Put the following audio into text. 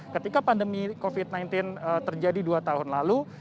ketika pandemi covid sembilan belas terjadi dua tahun lalu